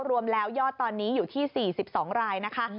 รวมแล้วยอดตอนนี้อยู่ที่๔๒รายนะคะ